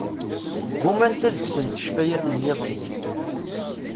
Ggumant ad kksent ccfayat n yiḍ-nni.